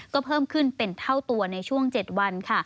ก็เพิ่มขึ้นเป็นเท่าตัวในช่วง๗วันค่ะ